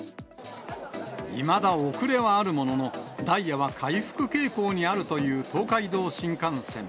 いまだ遅れはあるものの、ダイヤは回復傾向にあるという東海道新幹線。